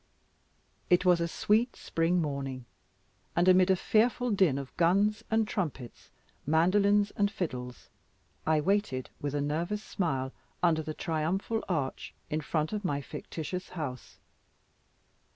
It was a sweet spring morning, and amid a fearful din of guns and trumpets, mandolins and fiddles, I waited with a nervous smile under the triumphal arch in front of my fictitious house.